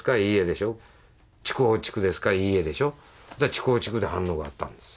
そしたら筑豊地区で反応があったんですよ。